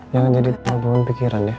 jangan jadi problem pikiran ya